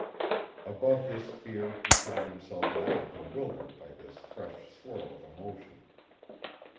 Above this fear he found himself now bewildered by this fresh swirl of emotion.